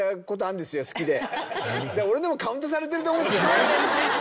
だから俺のもカウントされてると思うんですよね。